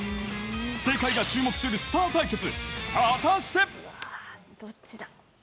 世界が注目するスター対決、果たして。